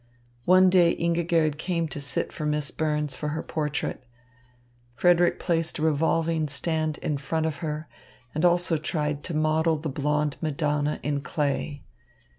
One day Ingigerd came to sit for Miss Burns for her portrait. Frederick placed a revolving stand in front of her and also tried to model the blonde Madonna in clay.